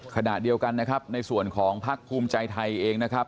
ขณะเดียวกันนะครับในส่วนของพักภูมิใจไทยเองนะครับ